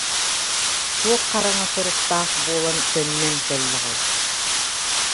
Туох хараҥа соруктаах буолан, төннөн кэллэҕэй